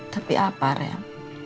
tapi apa ren